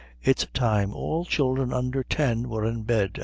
It's time all children under ten were in bed.